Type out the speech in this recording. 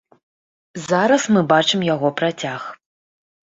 Зараз мы бачым яго працяг.